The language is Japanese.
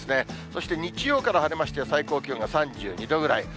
そして日曜から晴れまして、最高気温が３２度ぐらい。